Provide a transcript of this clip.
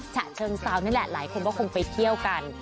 ฉะเชิงเซานี่แหละหลายคนก็คงไปเที่ยวกัน